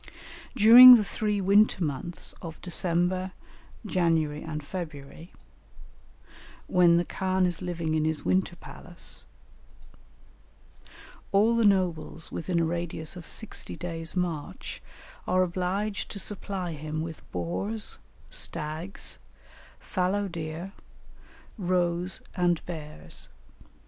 During the three winter months of December, January, and February, when the khan is living in his winter palace, all the nobles within a radius of sixty days' march are obliged to supply him with boars, stags, fallow deer, roes, and bears.